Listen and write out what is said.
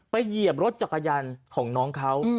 เหยียบรถจักรยานของน้องเขา